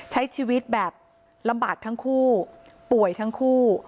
ใช้ชีวิตแบบลำบากทั้งคู่ป่วยทั้งคู่